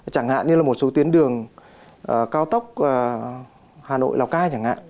chẳng hạn như là một số tuyến đường cao tốc hà nội lào cai chẳng hạn